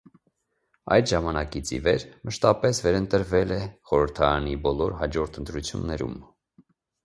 Այդ ժամանակից ի վեր մշտապես վերընտրվել Է խորհրդարանի բոլոր հաջորդ ընտրություններում։